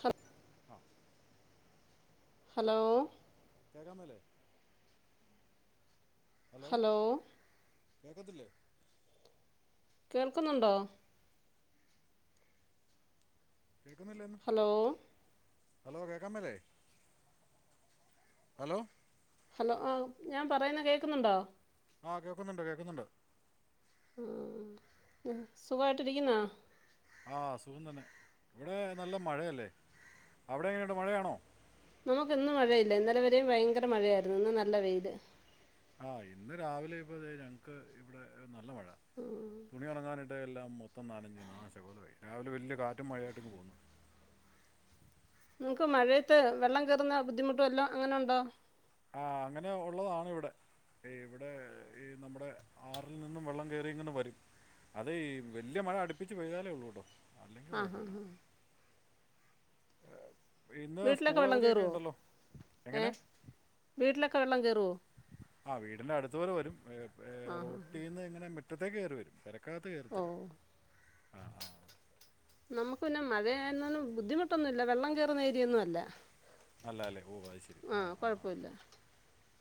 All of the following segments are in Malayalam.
ഹം ആ ഹലോ [unintelligible] ഹലോ കേക്കത്തില്ലേ കേൾക്കുന്നുണ്ടോ.. കേൾക്കുന്നില്ലേ ഒന്ന് ഹലോ.. ഹലോ കേക്കാമേലേ.. ഹലോ... ഹലോ ആഹ ഞാൻ പറയുന്ന കേൾക്കുന്നുണ്ടോ.. ആഹ് കേൾക്കുന്നുണ്ട് കേക്കുന്നുണ്ട് ഉ -സുഖായിട്ട്ി ഇരിക്കുന്നാ? ആ അ സുഖം തന്നെ ഇവിടെ നല്ല മഴയല്ലേ. അവിടെ എങ്ങനട്ട് മഴയാണോ? നമുക്ക് ഇന്നും മഴയില്ല ഇന്നലെ വരെയും ഭയങ്കര മഴയായിരുന്നു ഇന്ന് നല്ല വെയില് ആഹ് ഇന്ന് രാവിലെ [unintelligible] ഞങ്ങക്ക് ഇവിടെ നല്ല മഴ തുണി ഉറങ്ങാനായിട്ട് ഇവിടെയ എല്ലാം മൊത്തം നാലഞ്ച് നാശകോലമായി രാവിലെ വലിയ കാറ്റും മഴയായിട്ടിും പോന്നുന്നു നിങ്ങക്ക് മഴയത്ത് വെള്ളം കയറുന്ന ബുദ്ധിമുട്ടുവല്ലോ അങ്ങനെ ഉണ്ടോ? ആഹ അങ്ങനെ ഉള്ളതാണ് ഇവിടെ ഇവിടെ ഈ നമ്മുടെ ആറിൽ നിന്നും വെള്ളം കേറി ഇങ്ങനെ വരും അത് ഈ വല്യയ മഴ അടുപ്പിച്ച് പെയ്താലേ ഉള്ളൂട്ടോ ആഹ ഹഹ ഹാ [inaudible] ഇന്ന് വീട്ടിലൊക്കെ സ്കൂൾ വെള്ളം അവധിയൊക്കെ കേറുവോ ഉണ്ടല്ലോ ഏ എങ്ങനെ വീട്ടിലൊക്കെ വെള്ളം കേറുവോ ആ വീടിന്റെ അടുത്ത് വരെവരും. ആഹ ഹഹ മുറ്റത്തേക്ക് കേറി വരും പെരക്കാത്ത് കയറത്തില്ല ആ ആ നമ്മക്ക് പിന്നെ മഴയാന്നെ ബുദ്ധിമുട്ടൊന്നുമില്ല വെള്ളം കേറുന്ന ഏരിയൊന്നുമല്ല അല്ല അല്ലേ ഓ അയ്ശരി ആ ആഹ കുഴപ്പമില്ല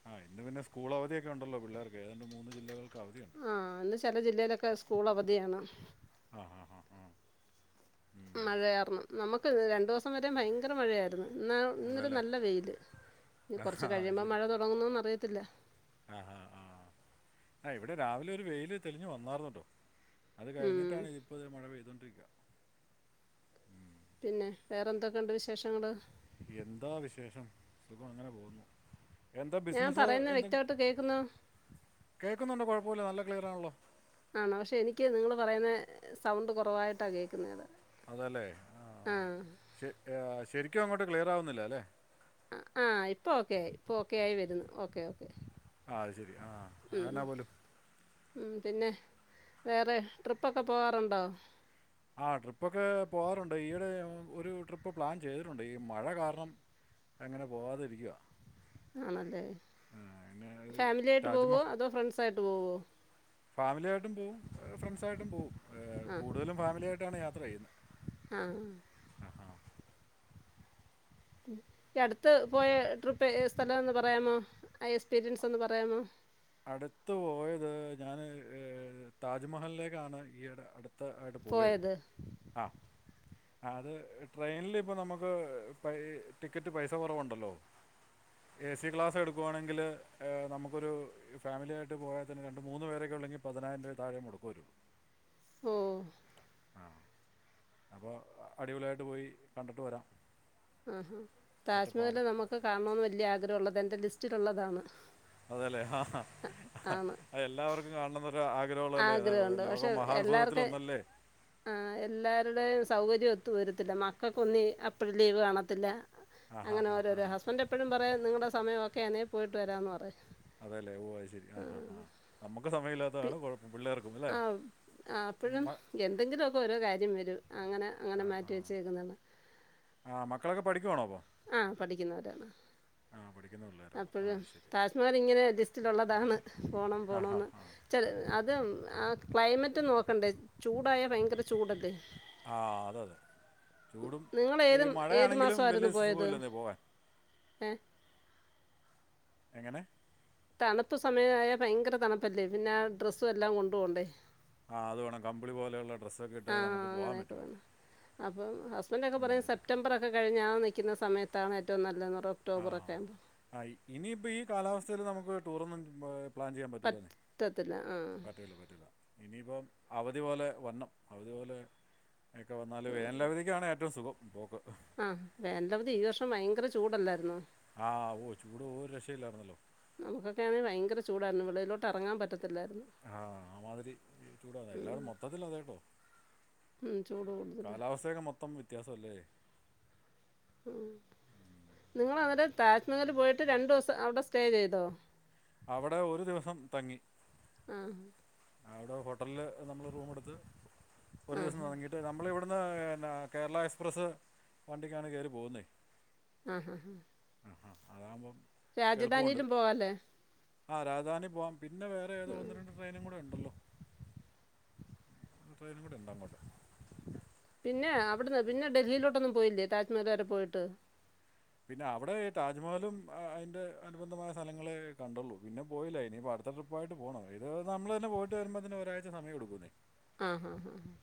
ആ ഇന്ന് പിന്ന സ്കൂളവധിയൊക്കെ ഉണ്ടല്ലോ പിള്ളേർക്ക് ഏതാണ്ട് മൂന്ന് ജില്ലകൾ ആഹ ഇന്ന് ചെല ജില്ലെലൊക്കെ സ്കൂളവധിയാണ് ആഹ ഹാ ഹാ ഹ. മഴയാർന്നു നമ്മക്ക് രണ്ടൂസം വരെ ഭയങ്കര മഴയായിരന്നു. ഇന്ന ഇന്നൊരു അതല്ലേ നല്ല വെയില് ഇനി ആ കുറച്ച് കഴിയുമ്പോൾ മഴ തുടങ്ങുന്നന്ന് അറിയത്തില്ല ആഹ ആ ആഹ് ആ ഇവിടെ രാവിലെ ഒരു വെയില് തെളിഞ്ഞു വന്നാർന്നട്ടോ അത് ഉം കഴിഞ്ഞിട്ടാണ് ദേ ഇപ്പൊരു മഴ പെയ്തോണ്ടിരിക്ക പിന്നെ വേറെന്തൊക്കുണ്ട് വിശേഷങ്ങള്? എന്താ വിശേഷം സുഖ അങ്ങനെ പോകുന്നു. എന്താ ഞാൻ ബിസിനസ്സ് പറയുന്ന എന്ത? വ്യക്തമായിട്ട് കേൾക്കുന്നോ കേക്കുന്നുണ്ട് കൊഴപ്പില്ല നല്ല ക്ലിയറാണല്ലോ ആണോ പക്ഷെ എനിക്ക് നിങ്ങള് പറയുന്ന സൗണ്ട് കുറവായിട്ടാ കേക്കുന്നത് അതല്ലേ ആ ശരിക്കു അങ്ങോട്ട് ക്ലിയർ ആവുന്നില്ല അല്ലെ. ആഹ് ഇപ്പൊ ഓക്കെയായി ഇപ്പൊ ഓക്കെയായി വരുന്നു ഓക്കെ. ഓക്കെ അയ്ശെരി ആഹ് ഉം എന്നാ പോലും. ഉം പിന്നെ ആ ട്രിപ്പൊക്കെ പോവാറുണ്ട് ഈയിടെ ഒരു ട്രിപ്പ് പ്ലാൻ ചെയ്തിട്ടുണ്ട് ഈ മഴ കാരണം അങ്ങനെ പോവാതെരിക്കുവാ ആണല്ലേ പിന്നെ ഒരു ഫാമിലിയായിട്ട് പോവോ അതോ ഫ്രണ്ട്സായിട്ട് പോവോ ഫാമിലിയാട്ട്. പോവും ഫ്രണ്ട്സായിട്ടും പോവും ആ കൂടുതലും ഫാമിലിയായിട്ടാണ് യാത്ര ചെയ്യുന്നത്. ആ ആ ഹാ ഈ അടുത്ത് പോയ ട്രിപ്പ് ഏ സ്ഥലന്ന് പറയാമോ ആ എക്സ്പീരിയൻസ് ഒന്ന് പറയാമോ അടുത്ത പോയത് ഞാന് താജ്മഹലിലേക്കാണ് ഈടെ അടു ആയിട്ട് പോയത് ആ അത് ട്രെയിനിൽ ഇപ്പ നമ്മക്ക് പെ ടിക്കറ്റ് പൈസ കുറവുണ്ടല്ലോ എ സി ക്ലാസ് എടുക്കുവാണെങ്കില് നമുക്കൊരു ഫാമിലിയായിട്ട് പോയാതന്നെ രണ്ട് മൂന്നു പേരൊക്കെ ഉള്ളെങ്കിൽ പതിനായിര രൂപ താഴെ മുടുക്കുവരുള്ളൂ ഓ അപ്പോ അടിപൊളിയായിട്ട് പോയി കണ്ടിട്ട് വരാം ആഹാ സെറ്റപ്പാണ് താജ്മഹല് നമുക്ക് കാണണോന്ന് വല്യയ ആഗ്രഹള്ള ന്റെ ലിസ്റ്റിലള്ളതാണ് അതെല്ലേ ആഹാ ഹാ ഹ എല്ലാവർക്കും കാണുന്നൊരു ആഗ്രഹല്ലേ ആഗ്രഹുണ്ട് പക്ഷെ എല്ലാർക്കും ആ എല്ലാരുടെയും സൗകര്യം ഒത്തു വരത്തില്ല മക്കക്കൊന്നു അപ്പോഴ ലീവ് കാണത്തില്ല ആ ഹാ അങ്ങനെ ഹാ ഹാ ഓരോരോ ഹസ്ബൻ്റ് എപ്പോഴും പറയും നിങ്ങളുടെ സമയ ഒക്കെയാണേൽ പോയിട്ട് വരാമന്ന് പറയും അതെല്ലേ ഓ ശരി ആ ആ ആ നമുക്ക് സമയം ഇല്ലാത്ത പി ആ അപ്പോഴും മ- എന്തെങ്കിലുക്കെ ഓരോ കാര്യം വരും അങ്ങനെ അങ്ങനെ ആ ആ മാറ്റിവെച്ചേക്കുന്നതാ ആ മക്കളൊക്കെ പഠിക്കുവാണോ അപ്പോൾ ആ പഠിക്കുന്നവരാണ് ആ പഠിക്കുന്ന പിള്ളേരാണ് ആ അപ്പോഴും ശരി താജ്മഹൽ ഇങ്ങനെ ലിസ്റ്റിലള്ളതാണ് പോണം ആ ഹാ പോണന്ന് ആ ചെ അത് ആ ക്ലൈമറ്റ് നോക്കണ്ടേ ചൂടായ ഭയങ്കര ചൂടത് ആ അത അതെ ചൂടും നിങ്ങൾ ഏത് ഏത് മഴയാണെങ്കിലും മാസമായിരുന്നു വലിയ പോയത് സുഖമില്ലന്നീ പോവാൻ ഏ എങ്ങനെ തണുപ്പ് സമയ ആയാ ഭയങ്കര തണുപ്പല്ലേ പിന്നെ ആ ഡ്രസ്സും എല്ലാം കൊണ്ടു പോണ്ടേ ആ അത് വേണം കമ്പിളി പോലെയുള്ള ഡ്രസ്സ ഒക്കെ ഇട്ട് ആ നമുക്ക് പോകാൻ അങ്ങനെയൊക്കെ പറ്റുള്ളു വേണം അപ്പം ഹസ്ബൻഡ് ഒക്കെ പറയും സെപ്റ്റംബർ ഒക്കെ കഴിഞ്ഞാൽ നിൽുന്ന സയത്താണ് ഏറ്റവും നല്ലതെന്ന് പറുന്നത് ആ ആ ഇനിയിപ്പ ഈ കാലാവസ്ഥൽ നമുക്ക് ടൂർ ഒന്നും പ്ലാൻ ചെയ്യാൻ പറ്റൂലാന്ന് പറ്റത്തില്ല ആ പറ്റല പറ്റില്ല ഇനിയിപ്പം അവധി പോലെ വരനം അവധി പോലെ ഒക്കെ വന്നാല് വേനലവധതിക്ക്ണ് ഏറ്റവും സുഖം പോക്ക് ആ വേനാലവധി ഈ വർഷം ഭയങ്കര ചൂടല്ലായിരുന്ന ആ ഓ ചൂട് ഓ രക്ഷല്ലായിരുന്നല്ലോ ചൂട് ആയിരുന്നു വെളിയിലോട്ട് ഇറങ്ങൻ പറ്റതില്ല ആ ആ മാതിരി ചൂടന്നാ ഉം. എല്ലാവരും മൊത്തത്തി അത കേട്ടോ ഉം, ചൂട് കൂടുതലാണ് കാലാവസ്ഥയൊക്കെ മൊത്തം വ്യത്യാസം അല്ലേ ഉം നിങ്ങൾ അന്നെ താജ് മഹല് പോയിട്ട് രണ്ടു ദിവസം അവിടെ സ്റ്റേ ചെയ്തോ അവിടെ ഒരു ദിവസം തങ്ങി ആ ആ അവിടെ ഹോട്ടലില് നമ്മൾ റൂം എടുത്ത് ഒരു ആ ദിവസം ത ആ ങ്ങിയിട്ട് നമ്മള ഇവിടെ ഇന്ന് എന്ന കേരള എക്സ്പ്രസ്സ് വണ്ടിക്കാണ് കയറി പോകുന്നത് ആ ഹ ഹ ആ ആ അതാകുമ്പോം രാജധാനിലും പോകലെ ആ രാജധാനി പോവാം പിന്നെ വേറെ ഏതോ ഒന്ന് രണ്ട് ട്രെയിനും കൂടെ ഉണ്ട് ട്രയിലും കൂടി ഉണ്ടാവങ്ങോട്ടെ പിന്നെ അവിടന്ന് പിന്നെ ഡൽഹിയിലോട്ടൊന്നും പോയില്ലേ താജ്മഹൽ വരെ പോയിട്ട് പിന്നെ അവിടെ താജ്മഹലും അതിന്റെ അനുബന്ധമായ സ്ഥലങ്ങളെ കണ്ടുള്ളു പിന്നെ പോയില്ല ഇനി പ അത്രട്രിപ്പായിട്ട് പോണം ഇത് നമ്മൾ തന്നെ പോയിട്ട് വരുമ്പോന്ന ഒരാഴ്ച സമയ എടുക്കുന്നേ ആ ഹ ഹ ഹ ഹ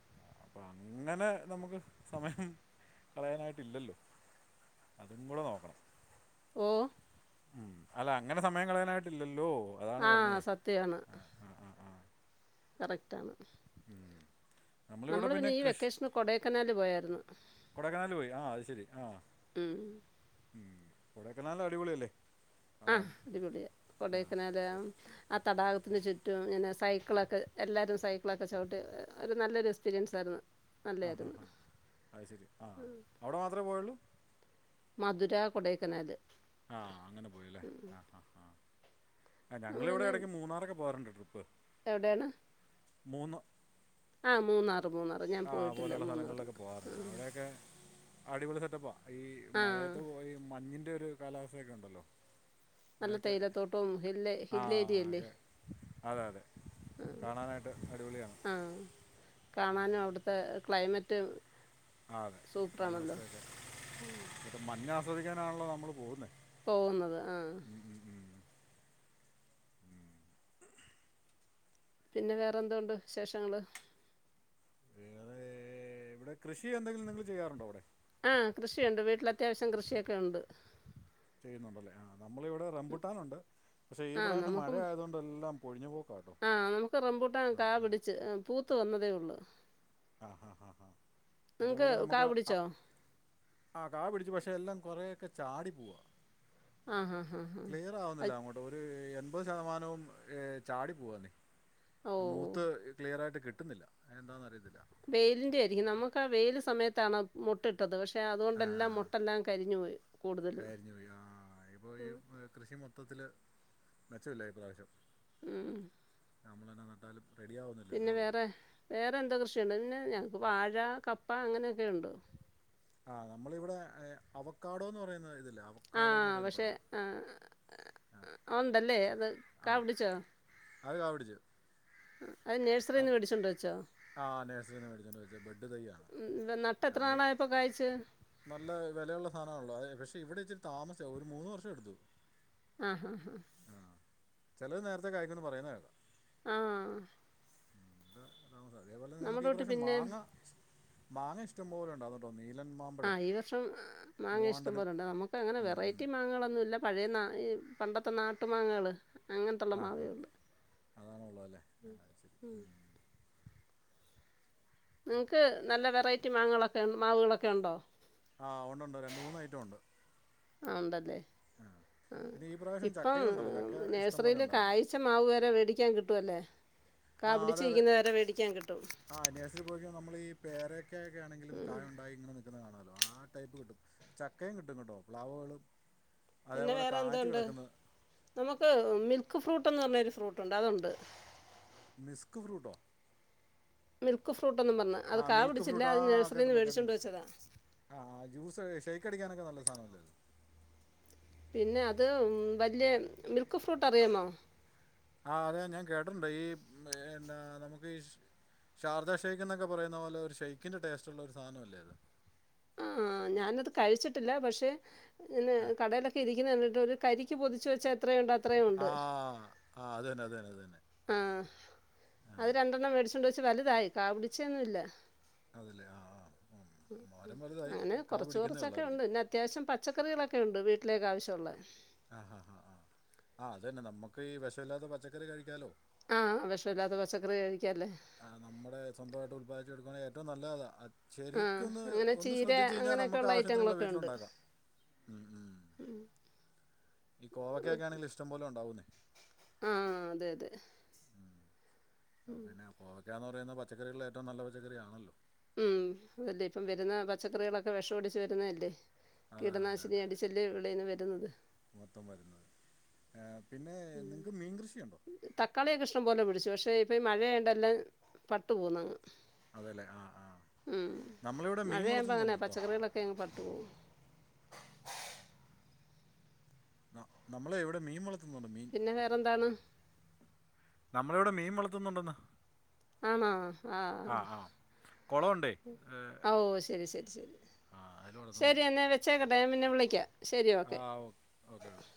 അപ്പൊ അങ്ങനെ നമുക്ക് സമയം കളയാനായിട്ട്ല്ലല്ലോ അതും കൂടെ നോക്കണം ഓ ഉം അല്ല അങ്ങനെ സമയം കളയാനായിട്ടില്ലല്ലോ. അതാണ് ആ പറഞ്ഞതേ സത്യാണ്. ആ ആ ആ ആ കറക്റ്റണ് ഉം. നമ്മളിവിടെ നമ്മള് പിന്നെ ഈ കൃഷി വെക്കേഷന് കൊടൈക്കനാല് പോയായിരുന്നു കൊടൈക്കനാൽ പോയി ആ ശരി ആ ഉം കൊടക്കനാല് അടിപൊളിഅല്ലെ അ അടിപൊളിയ കൊടക്കനാല ആ തടാകത്തിനു ചുറ്റും ഇങ്ങനെ സൈക്കിളൊക്കെ എല്ലാരും സൈക്കിളൊക്കെ ചവിട്ടി ഒരു നല്ലൊരു എക്സ്പീരിയൻസ് ആര്ന്നു. അ ഹ ഹാ അഹ് ശരി ആ അവ്ടെ മാത്രപോയൊള്ളു മധുര കൊടൈക്കനാല് ആ അങ്ങനെ പോയില്ലെ ആ ഹ ഹ ഞങ്ങളിവിടെ ഇടയ്ക്ക് മൂന്നാറൊക്കെ പോവാറ്ണ്ട് ട്രിപ്പ് എവിടെണ് മൂന്ന് ആ മൂന്നാറ് മൂന്നാറ് ഞാൻ ആ പോയിട്ടില്ല പോലെയുള്ള മൂന്നാറ് സ്ഥലങ്ങളിലൊക്കെ ആ പോകാറുണ്ട് അവിടെയൊക്കെ അടിപൊളി സെറ്റപ്പാ ഈ ആ മഴയത്ത് പോയി ഈ മഞ്ഞിന്റെ ഒരു കാലാവസ്ഥൊക്കെണ്ടല്ലോ നല്ല അഅക്കെ തേയിലത്തോട്ടവും ഹിൽ ആ ഹിൽ ഏരിയ അല്ലേ അതെ അതെ അതെ കാണാനായിട്ട് അടിപൊളിയാണ്. ആ കാണാനും അവ്ട്ത്തെ ക്ലൈമറ്റ് ആ അതെ സൂപ്പറാണല്ലോ കാലാവസ്ഥയൊക്കെ ഇപ്പ മഞ്ഞ ആസ്വദിക്കാനാണല്ലോ നമ്മള് പോകുന്നേ പോകുന്നത് ആ പിന്നെ വേറെന്തോണ്ട് വിശേഷങ്ങള് വേറേ ഇവടെ കൃഷി എന്തെങ്കിലും നിങ്ങൾ ചെയ്യാറുണ്ടോ ഇവടെ ആ കൃഷിയുണ്ട് വീട്ടിൽ അത്യാവശ്യം കൃഷിയൊക്കെ ഉണ്ട്. പിന്നെ ഉണ്ടല്ലേ ആ നമ്മള്ഇവിടെ റംബുട്ടാനുണ്ട് പക്ഷേ ഈ ആ പ്രാവശ്യം മഴ നമുക്കും ആയതുകൊണ്ട് എല്ലാം പൊഴിഞ്ഞു പോക്കാട്ടോ ആ നമുക്ക് റംമ്പൂട്ടാ ആ ആ കാപിടിച്ച് പൂ ത്ത് വന്നതേഒള്ളു ആ ആ ആ ആ അതുപോലെ കാ നമുക്ക് അ പിടിച്ചോ ആ കാപിടിച്ചു പക്ഷെ എല്ലാം കൊറേഒക്കെ ചാടി പോവാ ആഹാ ക്ലിയർ ആവുന്നില്ല അങ്ങോട്ട് ഒരു എൺപത് ശതമാനവും ചാടി പോവാനി ഓ മൂത്ത് ക്ലിയർആയിട്ട് കിട്ടുന്നില്ല അത്എന്താന്ന് അറിയത്തില്ല. വെയിലിന്റെ ആയിരിക്കും നമുക്ക് ആ വെയില് സമയത്താണ് മുട്ട്ഇട്ടത് പക്ഷെ ക്ഷെ ആ അതുകൊണ്ടെല്ലാം മുട്ടെല്ലാം കരിഞ്ഞുപോയി കൂടുതല് ഇപ്പൊ ഈ കൃഷി മൊത്തത്തില് മെച്ചമില്ല ഈപ്രാവശ്യം ഉം നമ്മള്ന്നെനട്ടാലും പിന്നെ വേറെ വേറെ എന്തോ കൃഷിയുണ്ട് പിന്നെ ഞങ്ങക്ക് വാഴ കപ്പ അങ്ങനെയൊക്കെയുണ്ട്. ആ നമ്മളിവിടെ അവക്കാടോന്ന് പറയുന്ന ഇതില്ലേ ആ പക്ഷെ ആ ഒണ്ടല്ലേ അത് കാപിടിച്ചോ ഇല്ല അഅ് നഴ്സറിന്ന് വേടിച്ചോണ്ട് വെച്ചോ ആ നഴ്സറിന്ന് മേടിച്ചോണ്ട് വെച്ച ബെഡ്തൈയ ഉം, ഇത് നട്ട് എത്ര അത് നാളായപ്പോൾ കായ്ച്ച് നല്ല വെലയുള്ള സാനാണല്ലോ കൃഷി ഇവിടെ ഇച്ചിരി താമസ്ച്ച ഒരു മൂന്നു വർഷം എടുത്തു. ആ ഹാ ഹാ ചെലത് നേരത്തെ കായി്ക്കുന്ന് പറയ്ണകേൾക്കാം. ആ ഉമ്പ നമ്മുടോട്ട് പിന്നേം മാങ്ങ ഇഷ്ട പോലെ ഉണ്ടാ അതോണ്ട് ഒന്നി ആ ഈ വർഷം മാങ്ങ ഇഷ്ടം മൂവാണ്ടനും പോലെണ്ട് നമുക്ക് അങ്ങനെ ഉം ഉം വെറൈറ്റി മാങ്ങളൊന്നും ഇല്ല പഴയ നാ ഈ പണ്ടത്തെ നാട്ടുമാങ്ങേള് ഹ ഹ അതാണ് ഉള്ളത്അല്ലേ ആ ശരി ഉ നിങ്ങക്ക് നല്ല വെറൈറ്റി മാങ്ങകൾ മാവുകളൊഒക്കെ ഉണ്ടോ ആഹ ഉണ്ടണ്ട് രണ്ട് മൂന്ന് ഐറ്റം ഉണ്ട് ആ ഉണ്ടല്ലേ ആ ആ പിന്നെ ഈ പ്രാവശ്യം ഇപ്പം ചക്കയും ഉണ്ടല്ലോ ചക്ക ഇഷ്ടം പോലെ നഴ്സറിൽ ഉണ്ടായിരുന്നു കായ്ച മാവ് വരെ മേടിക്കാൻ കിട്ടും കിട്ടല്ലേ കാ ആ അതെ അതെ പിടിച്ചരിക്കുന്ന വരെ മേടിക്കാൻ കിട്ടും പേരൊക്കെ ആണെങ്കിലും കായ ഉണ്ടായി ഇങ്ങനെ നിൽകുന്നത് കാണാ ആ ടൈപ്പ് കിട്ടും ചക്കയും കിട്ടും കേട്ടോ പ്ലവുകളും പിന്നെ വേറെ എന്തണ്ട് നമുക്ക് മിൽക്ക് മിൽക്ക് ഫ്രൂട്ട്ന്ന് പറഞ്ഞൊരു ഫ്രൂട്ട് ഉണ്ട് അതുണ്ട് മസ്ക് ഫ്രുട്ടൊ മിൽക്ക് ഫ്രൂട്ട് എന്നും പറഞ്ഞഞ് അത് മിൽക്ക് കാപിടിച്ചില്ല അത് നഴ്സറിയിൽന്ന് കേട്ടിട്ടുണ്ട് വോടിച്ചൊണ്ട് കേട്ടിട്ടുണ്ട് വെച്ചതാ ആഹ ആ ജ്യൂസ് ഷെയ്ക്ക് അടിക്കാനൊക്കെ നല്ല സാധനല്ലോത് പിന്നെ അത് വലിയ മിൽക്ക് ഫ്രൂട്ട് അറിയാമോ ആഹ അതെ ഞാൻ കേട്ടിട്ടുണ്ട് ഈ നമുക്ക് ഇഷ് ഷാർജ ഷെയ്ക്ക് എന്നൊക്കെ പറയുന്ന പോലെ ഒരു ഷെയ്ക്കിന്റെ ടേസ്റ്റ് ഉള്ള ഒരു സാധനം അല്ലേ അത് ആ ഞാനത് കഴിച്ചിട്ടില്ല പക്ഷെ ഇങ്ങനെ ഏഹ് കടയിലൊക്കെ ഇരി രിക്കുന്ന കണ്ടിട്ട് ഒരു കരിക്ക് പൊതിച്ച വെച്ചാ എത്രയ ഉണ്ട [unintelligible] അത്രയും ഉണ്ട് ആഹ് ആഹ് അത് തന്നെ അത് തന്നെ അത് തന്നെ ആ അത് രണ്ടെണ്ണം വേടിച്ചു കൊണ്ട്‌ വെച്ചുവലുതായി കാപിടിച്ചൊന്നും ഇല്ല അതല്ലേ ആഹ ആഹ് ഉ അങ്ങനെ കൊറച്ച് കുറച്ചൊക്കെ ഉണ്ട് പിന്നെ അത്യാവശ്യം പച്ചക്കറികളൊക്കെ ഉണ്ട് വീട്ടിലേക്ക് ആവശ്യമുള്ള ആഹ് ആ ആ ആഹ ആ അതന്നെ നമുക്ക് ഈ വിഷല്ലാത്ത പച്ചക്കറി കഴിക്കാലോ ആ വിഷമില്ലാത്ത പച്ചക്കറി കഴിക്കല്ലേ അ ഏറ്റവും നല്ലാതാ ശരിക്കൊന്ന് അങ്ങനെ ഒന്ന് ചീര ശ്രദ്ധിച്ച്കഴിഞ്ഞാൽ നമുക്ക് അങ്ങനെയൊക്കെയുള്ള ആവശ്യത്തിനുള്ള ഐറ്റങ്ങളൊക്കെ ഉണ്ട് വീട്ടിലുണ്ടാക്കാം ഉം ഉം ഈ കോവക്കാണെങ്കിൽ ഇഷ്ടം പോലെ ഉണ്ടാവുന്നേ ആഹ അതെ അതെ ഉം ആ, ഉ പിന്നെ കോവയ്ക്ക എന്ന് പറയുന്ന പച്ചക്കറികളില് ഏറ്റവും നല്ല പച്ചക്കറിയണല്ലോ ഉം അതല്ലേ ഇപ്പം വരുന്ന പച്ചക്കറികളൊക്കെ വിഷം ഓടിച്ച് വരുന്നതല്ലേ അതെ അതെ അതെ കീടനാശിനി അതെ അടിച്ചല്ലേ വെളിയിന്ന് വരുന്നത് മൊത്തം വരുന്നത് പിന്നെ ഉ നിങ്ങൾക്ക് മീൻ കൃഷിയുണ്ടോ തക്കാളിയ ഇഷ്ടം പോലെ പിടി പിടിച്ചു പക്ഷേ ഇപ്പം ഈ മഴയാണ്ടോ എല്ലാം പട്ടു പോകുന്നങ്ങ് അതെല്ലേ ആ ആ ഉ നമ്മളിവിടെ മീൻ മഴയ്യുമ്പോം അങ്ങനെ വളർത്തുന്നുണ്ട് കേട്ടോ പച്ചക്കറികളൊക്കെ അങ് പ [inaudible] നമ്മള് എവിടെ മീൻവള പിന്നെ വേറെ എന്താണ്? നമ്മള് ഇവിടെ മീൻ വളർത്തുന്നുണ്ടന്ന് ആണ ആഹ കുളമുണ്ടേ ഏ, ഓ ശരി ശരി ശരി ആ അതിൽ ശരി വളർത്തുന്നുണ്ട് എന്നെ വെച്ച പിന്നെ വിളിക്ക ശരി ആ ഓക്കെ ഓക്കെ ഓക്കെ